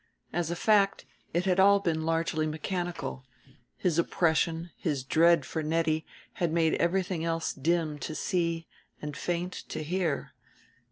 As a fact, it had all been largely mechanical; his oppression, his dread for Nettie, had made everything else dim to see and faint to hear.